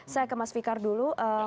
saya ke mas fikar dulu